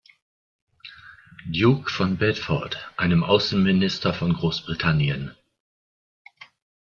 Duke von Bedford, einem Außenminister von Großbritannien.